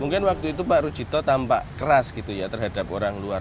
mungkin waktu itu pak rujito tampak keras gitu ya terhadap orang luar